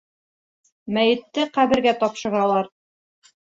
Мәйетте ҡәбергә тапшыралар.